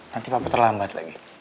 nanti papa terlambat lagi